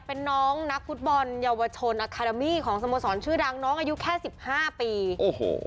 เป็นน้องนักฟุตบอลเยาวชนอาคารามี่ของสโมสรชื่อดังน้องอายุแค่สิบห้าปีโอ้โห